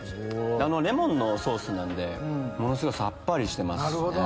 レモンのソースなんでものすごいさっぱりしてます。